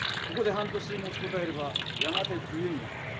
ここで半年持ちこたえればやがて冬になる。